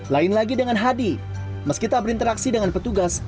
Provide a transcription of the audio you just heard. lain lagi dengan hadi meskipun berinteraksi dengan petugas